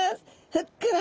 ふっくら。